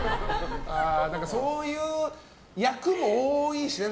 そういう役も多いしね。